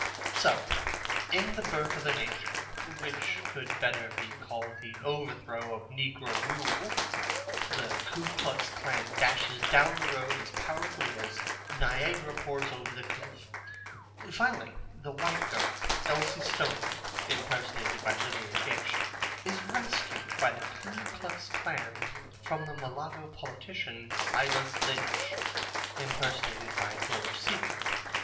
So, in The Birth of a Nation, which could better be called The Overthrow of Negro Rule, the Ku Klux Klan dashes down the road as powerfully as Niagara pours over the cliff. Finally the white girl Elsie Stoneman (impersonated by Lillian Gish) is rescued by the Ku Klux Klan from the mulatto politician, Silas Lynch (impersonated by George Seigmann).